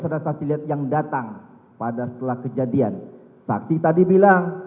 saksi tadi bilang